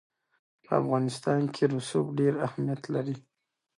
په افغانستان کې رسوب ډېر اهمیت لري.